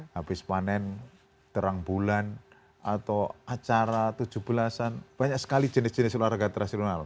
habis panen terang bulan atau acara tujuh belas an banyak sekali jenis jenis olahraga tradisional